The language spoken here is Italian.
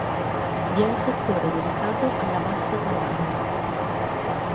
Vi è un settore dedicato alla Bassa padana